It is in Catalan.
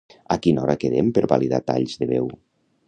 A quina hora quedem per validar talls de veu?